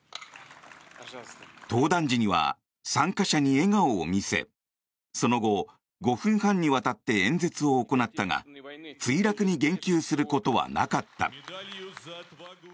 登壇時には参加者に笑顔を見せその後、５分半にわたって演説を行ったが墜落に言及することはなかった。